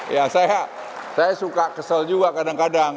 ya saya suka kesel juga kadang kadang